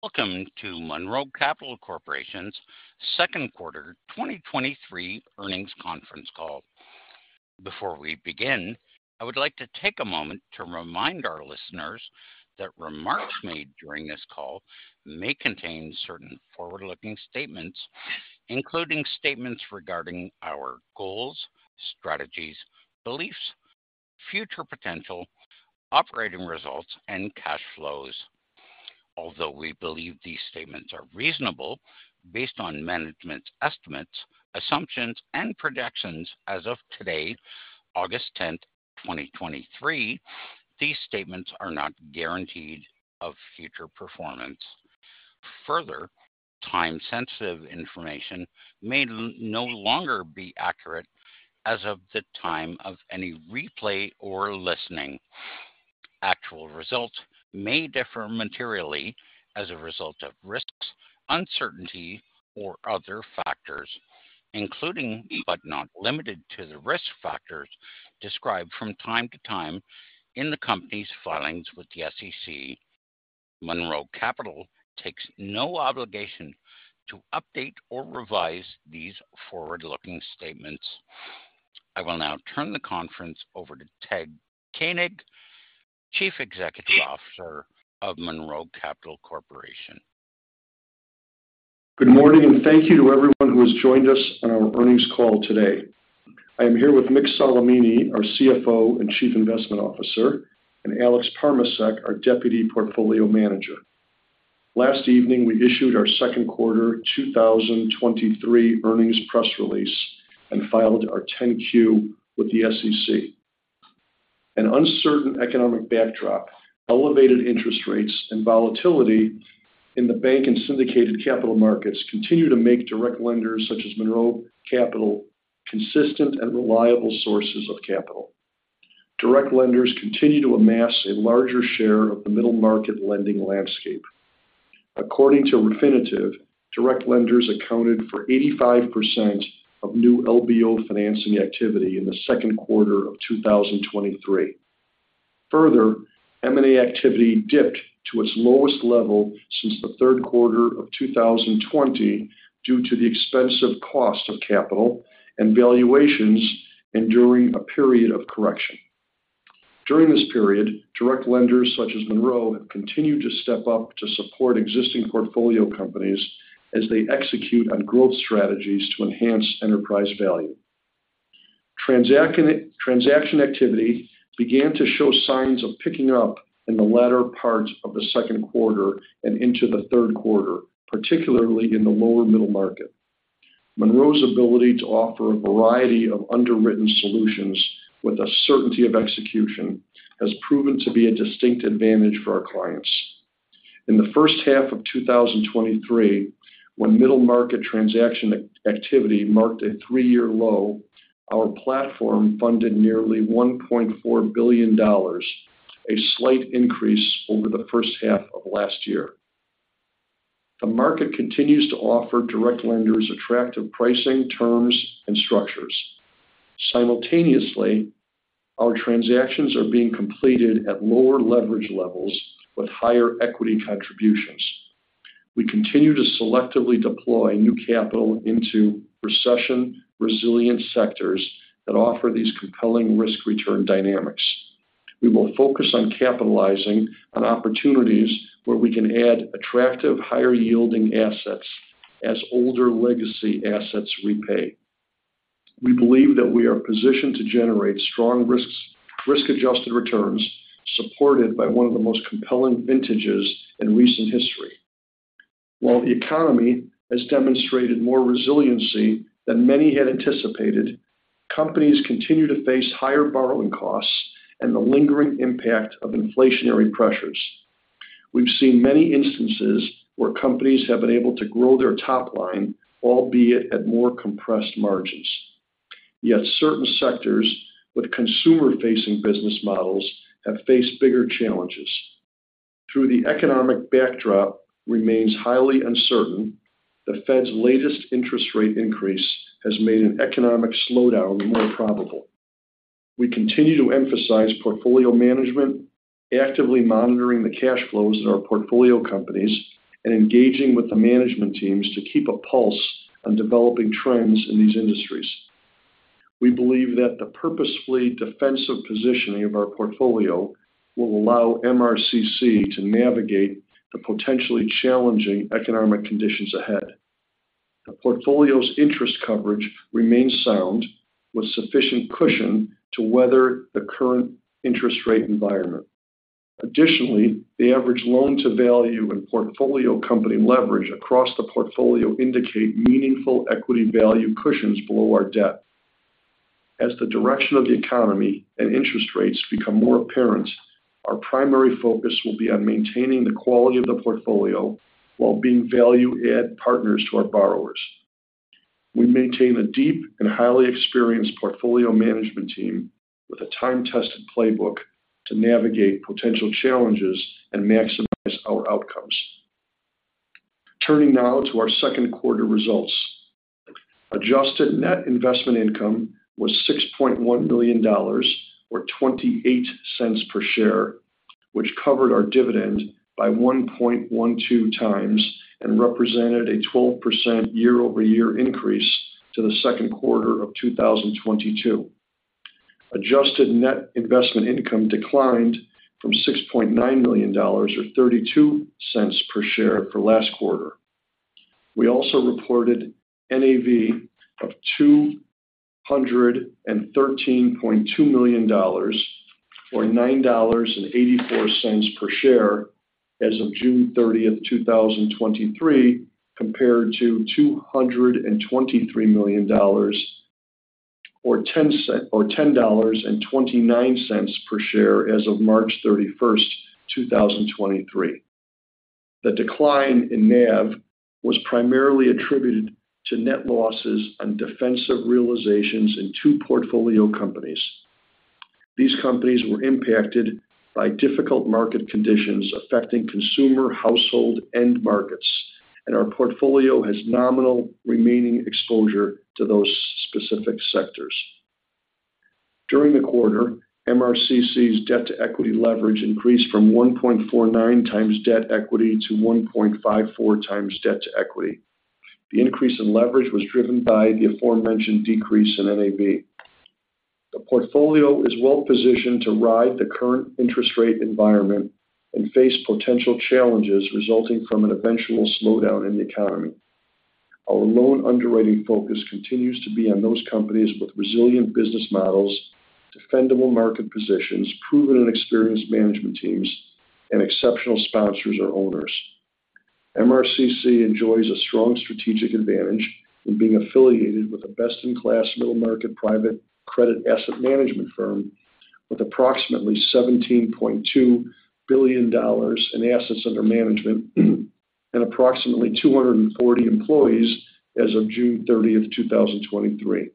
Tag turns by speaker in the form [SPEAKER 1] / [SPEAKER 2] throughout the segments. [SPEAKER 1] Welcome to Monroe Capital Corporation's second quarter 2023 earnings conference call. Before we begin, I would like to take a moment to remind our listeners that remarks made during this call may contain certain forward-looking statements, including statements regarding our goals, strategies, beliefs, future potential, operating results, and cash flows. Although we believe these statements are reasonable, based on management's estimates, assumptions, and projections as of today, August 10, 2023, these statements are not guaranteed of future performance. Time-sensitive information may no longer be accurate as of the time of any replay or listening. Actual results may differ materially as a result of risks, uncertainty, or other factors, including, but not limited to, the risk factors described from time to time in the company's filings with the SEC. Monroe Capital takes no obligation to update or revise these forward-looking statements. I will now turn the conference over to Ted Koenig, Chief Executive Officer of Monroe Capital Corporation.
[SPEAKER 2] Good morning, thank you to everyone who has joined us on our earnings call today. I am here with Mick Solimene, our CFO and Chief Investment Officer, and Alex Parmacek, our Deputy Portfolio Manager. Last evening, we issued our second quarter 2023 earnings press release and filed our 10-Q with the SEC. An uncertain economic backdrop, elevated interest rates, and volatility in the bank and syndicated capital markets continue to make direct lenders such as Monroe Capital, consistent and reliable sources of capital. Direct lenders continue to amass a larger share of the middle-market lending landscape. According to Refinitiv, direct lenders accounted for 85% of new LBO financing activity in the second quarter of 2023. Further, M&A activity dipped to its lowest level since the third quarter of 2020, due to the expensive cost of capital and valuations enduring a period of correction. During this period, direct lenders such as Monroe have continued to step up to support existing portfolio companies as they execute on growth strategies to enhance enterprise value. Transaction activity began to show signs of picking up in the latter part of the second quarter and into the third quarter, particularly in the lower middle market. Monroe's ability to offer a variety of underwritten solutions with a certainty of execution, has proven to be a distinct advantage for our clients. In the first half of 2023, when middle market transaction activity marked a three-year low, our platform funded nearly $1.4 billion, a slight increase over the first half of last year. The market continues to offer direct lenders attractive pricing, terms, and structures. Simultaneously, our transactions are being completed at lower leverage levels with higher equity contributions. We continue to selectively deploy new capital into recession-resilient sectors that offer these compelling risk-return dynamics. We will focus on capitalizing on opportunities where we can add attractive, higher-yielding assets as older legacy assets repay. We believe that we are positioned to generate strong risk-adjusted returns, supported by one of the most compelling vintages in recent history. While the economy has demonstrated more resiliency than many had anticipated, companies continue to face higher borrowing costs and the lingering impact of inflationary pressures. We've seen many instances where companies have been able to grow their top line, albeit at more compressed margins. Yet certain sectors with consumer-facing business models have faced bigger challenges. Through the economic backdrop remains highly uncertain, the Fed's latest interest rate increase has made an economic slowdown more probable. We continue to emphasize portfolio management, actively monitoring the cash flows in our portfolio companies, and engaging with the management teams to keep a pulse on developing trends in these industries. We believe that the purposefully defensive positioning of our portfolio will allow MRCC to navigate the potentially challenging economic conditions ahead. The portfolio's interest coverage remains sound, with sufficient cushion to weather the current interest rate environment. Additionally, the average loan-to-value and portfolio company leverage across the portfolio indicate meaningful equity value cushions below our debt. As the direction of the economy and interest rates become more apparent, our primary focus will be on maintaining the quality of the portfolio while being value-add partners to our borrowers. We maintain a deep and highly experienced portfolio management team with a time-tested playbook to navigate potential challenges and maximize our outcomes. Turning now to our second quarter results. Adjusted net investment income was $6.1 million, or $0.28 per share, which covered our dividend by 1.12x and represented a 12% year-over-year increase to the second quarter of 2022. Adjusted net investment income declined from $6.9 million or $0.32 per share for last quarter. We also reported NAV of $213.2 million, or $9.84 per share as of June 30, 2023, compared to $223 million, or $10.29 per share as of March 31, 2023. The decline in NAV was primarily attributed to net losses on defensive realizations in two portfolio companies. These companies were impacted by difficult market conditions affecting consumer household end markets, and our portfolio has nominal remaining exposure to those specific sectors. During the quarter, MRCC's debt-to-equity leverage increased from 1.49x debt-to-equity to 1.54x debt-to-equity. The increase in leverage was driven by the aforementioned decrease in NAV. The portfolio is well-positioned to ride the current interest rate environment and face potential challenges resulting from an eventual slowdown in the economy. Our loan underwriting focus continues to be on those companies with resilient business models, defendable market positions, proven and experienced management teams, and exceptional sponsors or owners. MRCC enjoys a strong strategic advantage in being affiliated with a best-in-class middle-market private credit asset management firm with approximately $17.2 billion in assets under management, and approximately 240 employees as of June 30, 2023.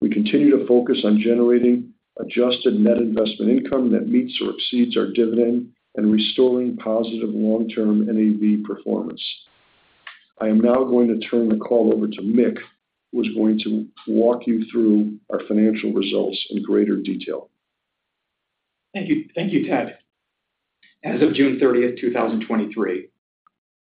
[SPEAKER 2] We continue to focus on generating adjusted net investment income that meets or exceeds our dividend and restoring positive long-term NAV performance. I am now going to turn the call over to Mick, who is going to walk you through our financial results in greater detail.
[SPEAKER 3] Thank you. Thank you, Ted. As of June 30, 2023,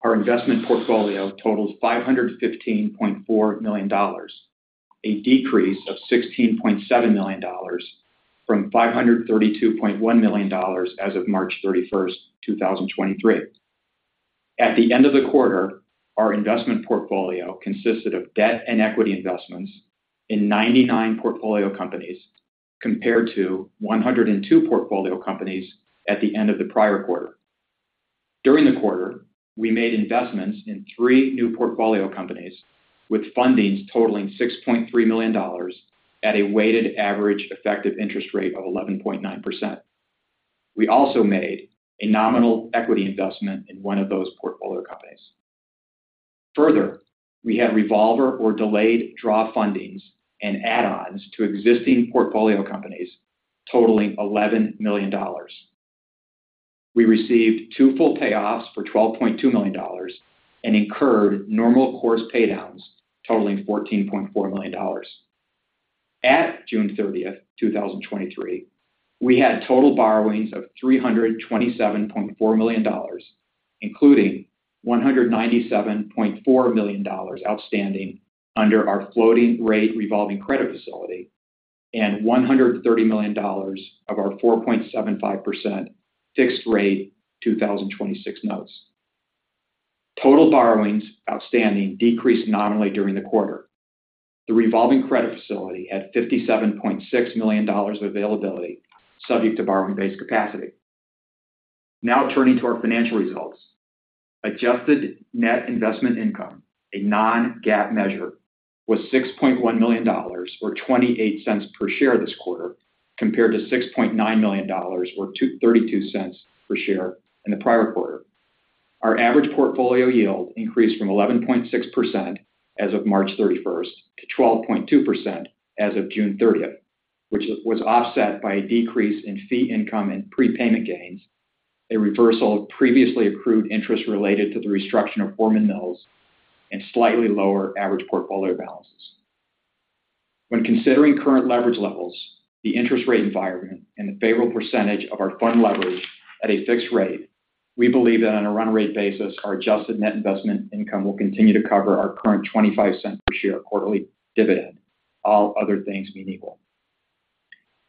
[SPEAKER 3] our investment portfolio totals $515.4 million, a decrease of $16.7 million from $532.1 million as of March 31, 2023. At the end of the quarter, our investment portfolio consisted of debt and equity investments in 99 portfolio companies, compared to 102 portfolio companies at the end of the prior quarter. During the quarter, we made investments in three new portfolio companies, with fundings totaling $6.3 million at a weighted average effective interest rate of 11.9%. We also made a nominal equity investment in one of those portfolio companies. We had revolver or delayed draw fundings and add-ons to existing portfolio companies totaling $11 million. We received two full payoffs for $12.2 million and incurred normal course paydowns totaling $14.4 million. At June 30, 2023, we had total borrowings of $327.4 million, including $197.4 million outstanding under our floating rate revolving credit facility and $130 million of our 4.75% Notes due 2026. Total borrowings outstanding decreased nominally during the quarter. The revolving credit facility had $57.6 million availability, subject to borrowing-based capacity. Now turning to our financial results. Adjusted net investment income, a non-GAAP measure, was $6.1 million or $0.28 per share this quarter, compared to $6.9 million or $0.32 per share in the prior quarter. Our average portfolio yield increased from 11.6% as of March 31st to 12.2% as of June 30th, which was offset by a decrease in fee income and prepayment gains, a reversal of previously accrued interest related to the restructure of Forman Mills, and slightly lower average portfolio balances. When considering current leverage levels, the interest rate environment, and the favorable percentage of our fund leverage at a fixed rate, we believe that on a run rate basis, our adjusted net investment income will continue to cover our current $0.25 per share quarterly dividend, all other things being equal.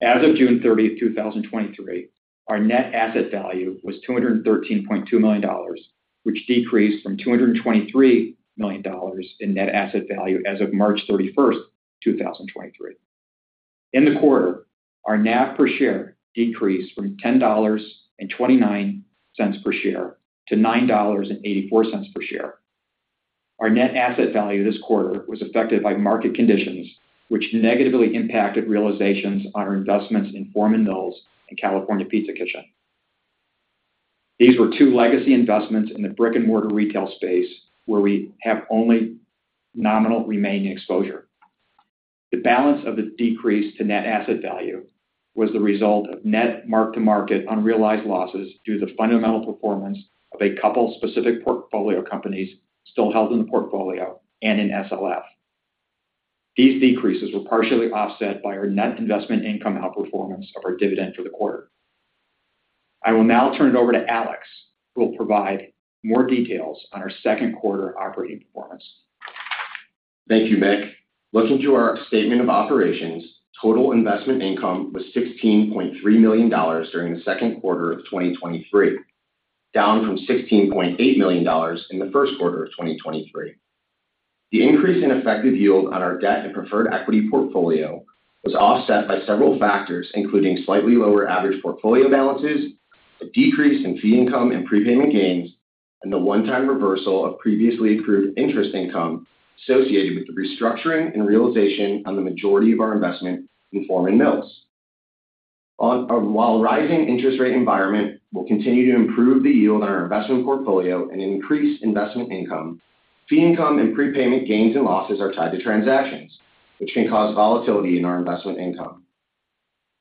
[SPEAKER 3] As of June 30th, 2023, our net asset value was $213.2 million, which decreased from $223 million in net asset value as of March 31st, 2023. In the quarter, our NAV per share decreased from $10.29 per share to $9.84 per share. Our net asset value this quarter was affected by market conditions, which negatively impacted realizations on our investments in Forman Mills and California Pizza Kitchen. These were two legacy investments in the brick-and-mortar retail space, where we have only nominal remaining exposure. The balance of the decrease to net asset value was the result of net mark-to-market unrealized losses due to the fundamental performance of a couple specific portfolio companies still held in the portfolio and in SLF. These decreases were partially offset by our net investment income outperformance of our dividend for the quarter. I will now turn it over to Alex, who will provide more details on our second quarter operating performance.
[SPEAKER 4] Thank you, Mick. Looking to our statement of operations, total investment income was $16.3 million during the second quarter of 2023, down from $16.8 million in the first quarter of 2023. The increase in effective yield on our debt and preferred equity portfolio was offset by several factors, including slightly lower average portfolio balances, a decrease in fee income and prepayment gains, and the one-time reversal of previously approved interest income associated with the restructuring and realization on the majority of our investment in Forman Mills. While rising interest rate environment will continue to improve the yield on our investment portfolio and increase investment income, fee income and prepayment gains and losses are tied to transactions, which can cause volatility in our investment income.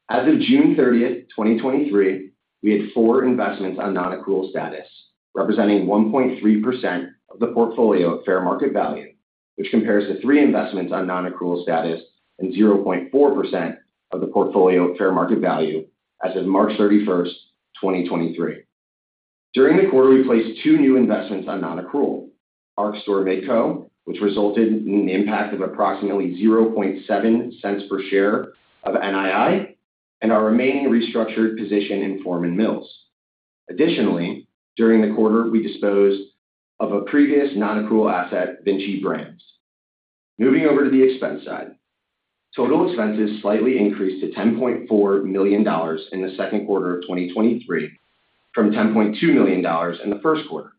[SPEAKER 4] As of June 30, 2023, we had four investments on nonaccrual status, representing 1.3% of the portfolio at fair market value, which compares to three investments on nonaccrual status and 0.4% of the portfolio at fair market value as of March 31, 2023. During the quarter, we placed two new investments on nonaccrual, Arc store Midco, which resulted in an impact of approximately $0.007 per share of NII, and our remaining restructured position in Forman Mills. Additionally, during the quarter, we disposed of a previous nonaccrual asset, Vinci Brands. Moving over to the expense side. Total expenses slightly increased to $10.4 million in the second quarter of 2023, from $10.2 million in the first quarter.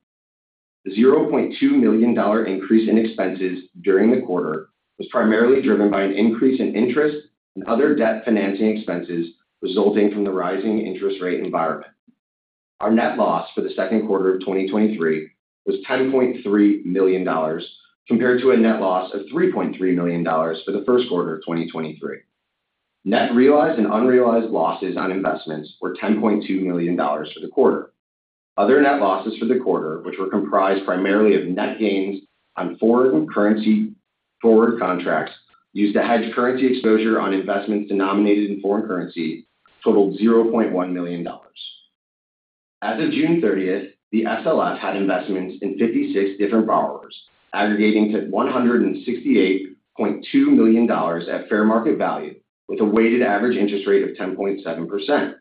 [SPEAKER 4] The $0.2 million increase in expenses during the quarter was primarily driven by an increase in interest and other debt financing expenses resulting from the rising interest rate environment. Our net loss for the second quarter of 2023 was $10.3 million, compared to a net loss of $3.3 million for the first quarter of 2023. Net realized and unrealized losses on investments were $10.2 million for the quarter. Other net losses for the quarter, which were comprised primarily of net gains on foreign currency forward contracts, used to hedge currency exposure on investments denominated in foreign currency, totaled $0.1 million. As of June 30th, the SLF had investments in 56 different borrowers, aggregating to $168.2 million at fair market value, with a weighted average interest rate of 10.7%.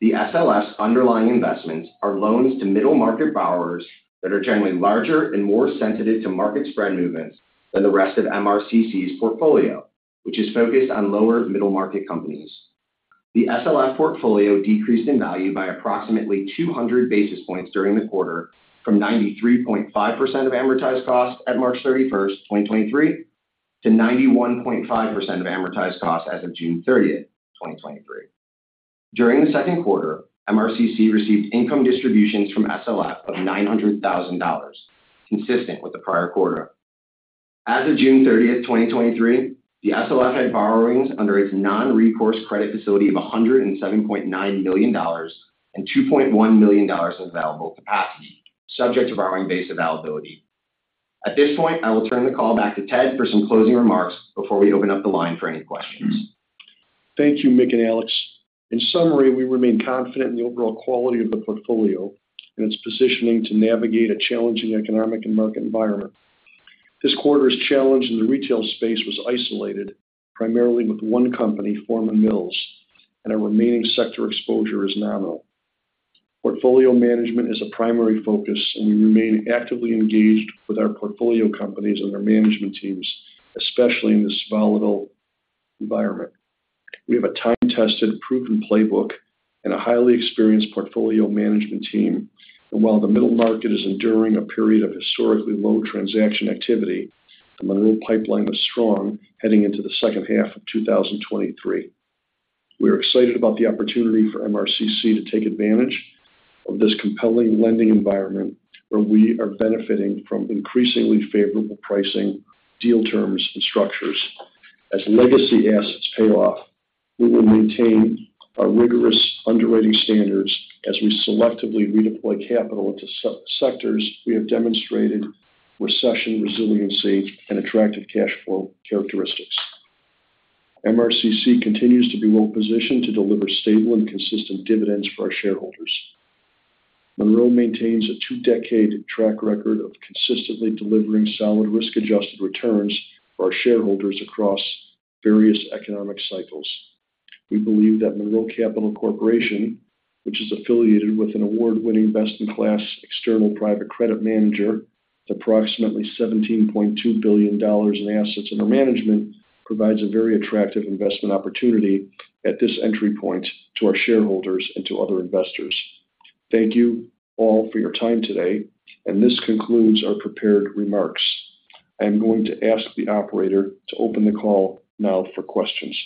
[SPEAKER 4] The SLF's underlying investments are loans to middle-market borrowers that are generally larger and more sensitive to market spread movements than the rest of MRCC's portfolio, which is focused on lower middle-market companies. The SLF portfolio decreased in value by approximately 200 basis points during the quarter, from 93.5% of amortized cost at March 31st, 2023, to 91.5% of amortized cost as of June 30th, 2023. During the second quarter, MRCC received income distributions from SLF of $900,000, consistent with the prior quarter. As of June 30th, 2023, the SLF had borrowings under its non-recourse credit facility of $107.9 million and $2.1 million in available capacity, subject to borrowing base availability. At this point, I will turn the call back to Ted for some closing remarks before we open up the line for any questions.
[SPEAKER 2] Thank you, Mick and Alex. In summary, we remain confident in the overall quality of the portfolio and its positioning to navigate a challenging economic and market environment. This quarter's challenge in the retail space was isolated, primarily with one company, Forman Mills, and our remaining sector exposure is nominal. Portfolio management is a primary focus, and we remain actively engaged with our portfolio companies and their management teams, especially in this volatile environment. We have a time-tested, proven playbook and a highly experienced portfolio management team. While the middle market is enduring a period of historically low transaction activity, the Monroe pipeline was strong heading into the second half of 2023. We are excited about the opportunity for MRCC to take advantage of this compelling lending environment, where we are benefiting from increasingly favorable pricing, deal terms, and structures. As legacy assets pay off, we will maintain our rigorous underwriting standards as we selectively redeploy capital into sectors we have demonstrated recession resiliency and attractive cash flow characteristics. MRCC continues to be well-positioned to deliver stable and consistent dividends for our shareholders. Monroe maintains a two-decade track record of consistently delivering solid, risk-adjusted returns for our shareholders across various economic cycles. We believe that Monroe Capital Corporation, which is affiliated with an award-winning, best-in-class external private credit manager, with approximately $17.2 billion in assets under management, provides a very attractive investment opportunity at this entry point to our shareholders and to other investors. Thank you all for your time today, this concludes our prepared remarks. I am going to ask the operator to open the call now for questions....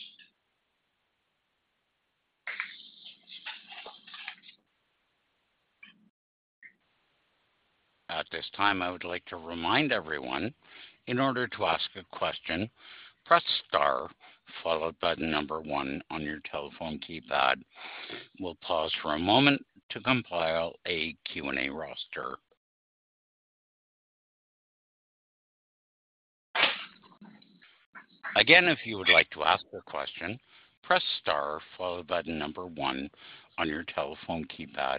[SPEAKER 1] At this time, I would like to remind everyone, in order to ask a question, press star followed by the one on your telephone keypad. We'll pause for a moment to compile a Q&A roster. Again, if you would like to ask a question, press star followed by the one on your telephone keypad.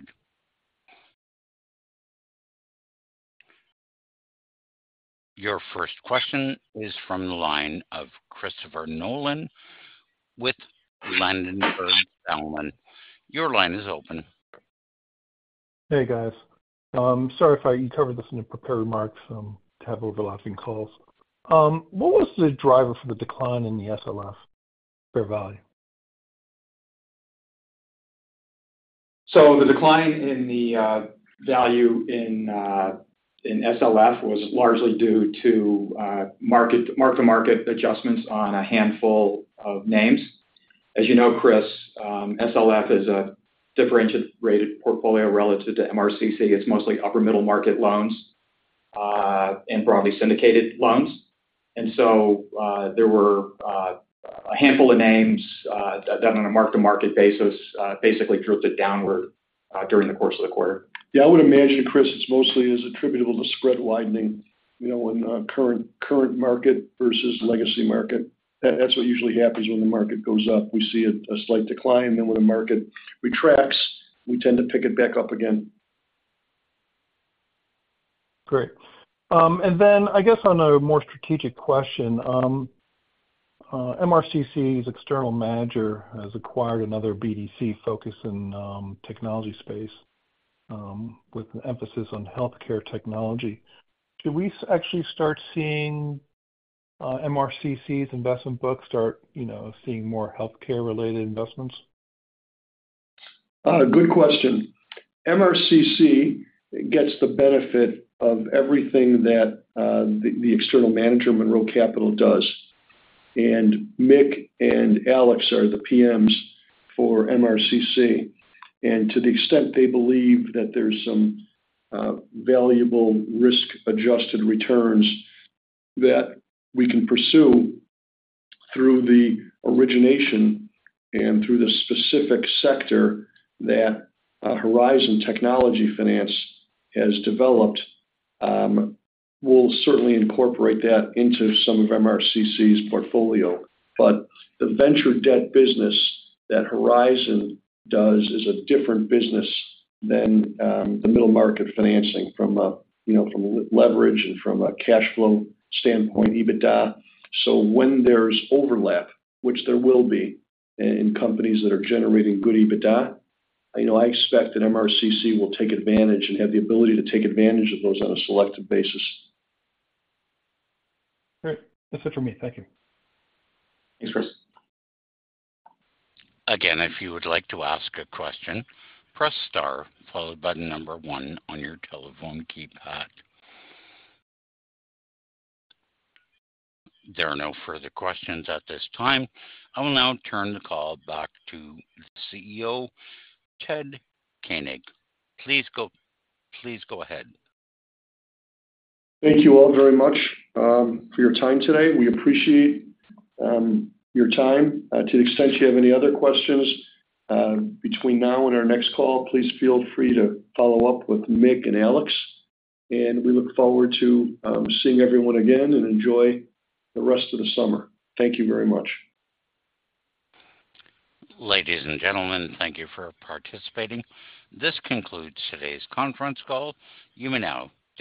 [SPEAKER 1] Your first question is from the line of Christopher Nolan with Ladenburg Thalmann. Your line is open.
[SPEAKER 5] Hey, guys. Sorry if I you covered this in the prepared remarks, to have overlapping calls. What was the driver for the decline in the SLF fair value?
[SPEAKER 3] The decline in the value in SLF was largely due to market, mark-to-market adjustments on a handful of names. As you know, Chris, SLF is a differentiated rated portfolio relative to MRCC. It's mostly upper middle market loans and broadly syndicated loans. So there were a handful of names that on a mark-to-market basis basically drove it downward during the course of the quarter.
[SPEAKER 2] Yeah, I would imagine, Chris, it's mostly is attributable to spread widening, you know, in current, current market versus legacy market. That's what usually happens when the market goes up. We see a slight decline, then when the market retracts, we tend to pick it back up again.
[SPEAKER 5] Great. Then I guess on a more strategic question, MRCC's external manager has acquired another BDC focus in technology space, with an emphasis on healthcare technology. Do we actually start seeing MRCC's investment book start, you know, seeing more healthcare-related investments?
[SPEAKER 2] Good question. MRCC gets the benefit of everything that the external manager, Monroe Capital, does, and Mick and Alex are the PMs for MRCC. To the extent they believe that there's some valuable risk-adjusted returns that we can pursue through the origination and through the specific sector that Horizon Technology Finance has developed, we'll certainly incorporate that into some of MRCC's portfolio. The venture debt business that Horizon does is a different business than the middle market financing from a, you know, from leverage and from a cash flow standpoint, EBITDA. When there's overlap, which there will be in companies that are generating good EBITDA, you know, I expect that MRCC will take advantage and have the ability to take advantage of those on a selective basis.
[SPEAKER 5] Great. That's it for me. Thank you.
[SPEAKER 2] Thanks, Chris.
[SPEAKER 1] Again, if you would like to ask a question, press star followed by the number one on your telephone keypad. There are no further questions at this time. I will now turn the call back to the CEO, Ted Koenig. Please go ahead.
[SPEAKER 2] Thank you all very much, for your time today. We appreciate, your time. To the extent you have any other questions, between now and our next call, please feel free to follow up with Mick and Alex, and we look forward to seeing everyone again, and enjoy the rest of the summer. Thank you very much.
[SPEAKER 1] Ladies and gentlemen, thank you for participating. This concludes today's conference call. You may now disconnect.